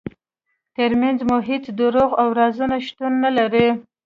ترمنځ مو هیڅ دروغ او رازونه شتون ونلري.